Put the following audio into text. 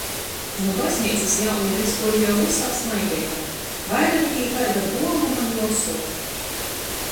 Nu bazneicys jaunive izguoja jau vysā smaideiga, vaira ni tī kaida buoluma, ni osoru.